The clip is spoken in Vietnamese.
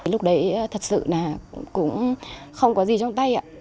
lúc đấy thật sự là cũng không có gì trong tay ạ